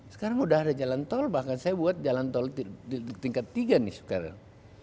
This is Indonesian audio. sekarang udah ada jalan tol bahkan saya buat jalan tol di tingkat tiga nih sekarang